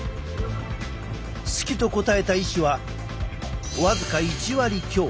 好きと答えた医師は僅か１割強。